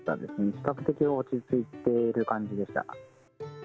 比較的落ち着いている感じでした。